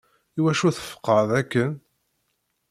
Iwacu tfeqeɛeḍ akken?